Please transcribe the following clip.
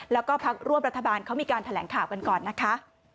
แล้วก็พักร่วมรัฐบาลเขามีการแถลงข่าวกันก่อนนะคะ